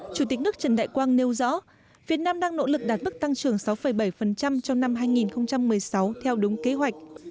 chủ tịch nước trần đại quang nêu rõ việt nam đang nỗ lực đạt bức tăng trưởng sáu bảy trong năm hai nghìn một mươi sáu theo đúng kế hoạch